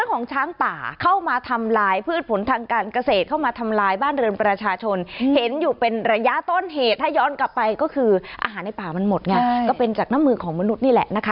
ก็คืออาหารในป่ามันหมดไงก็เป็นจากน้ำมึงของมนุษย์นี่แหละนะคะ